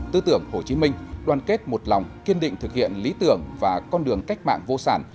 tư tưởng hồ chí minh đoàn kết một lòng kiên định thực hiện lý tưởng và con đường cách mạng vô sản